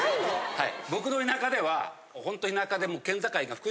はい。